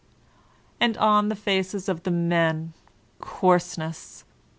'* And on the faces of the men, coarseness!